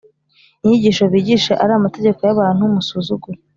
inyigisho bigisha ari amategeko y abantu Musuzugura